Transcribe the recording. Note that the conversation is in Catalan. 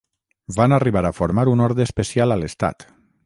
Van arribar a formar un orde especial a l'estat.